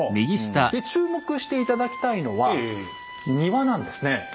で注目して頂きたいのは庭なんですね。